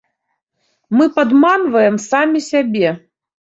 Мы падманваем самі сябе.